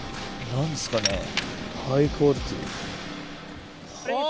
何ですかね？